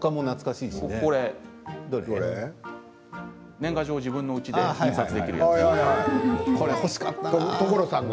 年賀状を自分のうちで印刷できるやつ。